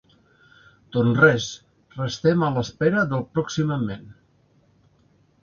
Doncs res, restem a l’espera del “pròximament”.